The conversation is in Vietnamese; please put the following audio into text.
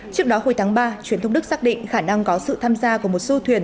trước đó hồi tháng ba truyền thông đức xác định khả năng có sự tham gia của một du thuyền